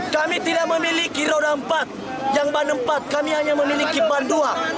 kami tidak memiliki roda empat yang ban empat kami hanya memiliki ban dua